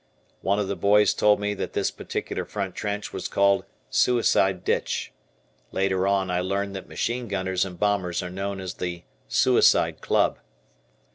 One of the boys told me that this particular front trench was called "Suicide Ditch." Later on I learned that machine gunners and bombers are known as the "Suicide Club."